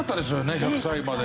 １００歳まで。